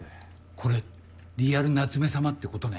これリアル夏目さまってことね？